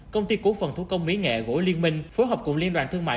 công ty cố phần thu công mỹ nghệ gỗ liên minh phối hợp cùng liên đoàn thương mại